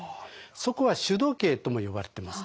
そこは主時計とも呼ばれてますね。